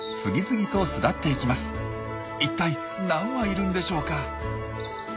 一体何羽いるんでしょうか？